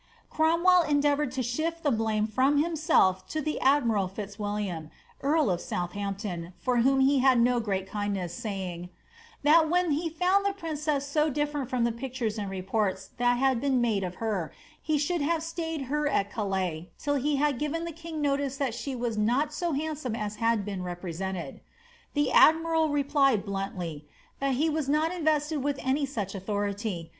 Cromwell endea iroured to ahifl the blame from himself to the admiral Fitzwilliam, earl of Southampton, for whom he had no great kindness, saying, ^^that when he foond the princess so different from the pictures and reports that had been made of her, he should have stayed her at Calais, till he had given the king notice that she was not so handsome as had been represented." The admiral replied bluntly, ^^ that he was not invested with any such authority.